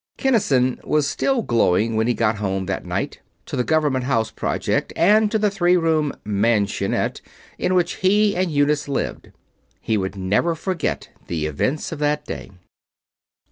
Kinnison was still glowing when he got home that night, to the Government Housing Project and to the three room "mansionette" in which he and Eunice lived. He would never forget the events of that day.